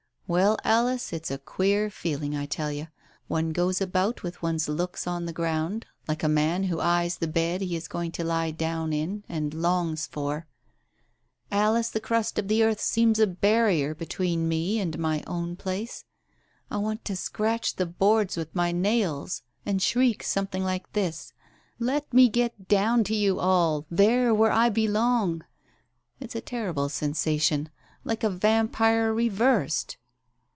... Well, Alice, it's a queer feeling, I tell you. One goes about with one's looks on the ground, like a man who eyes the bed he is going to lie down in, and longs for. Alice, the crust of the earth seems a barrier between me and my own place. I want to scratch the boardings with my nails and shriek something like this :* Let me get down to you all, there where I belong !' It's a horrible sensa tion, like a vampire reversed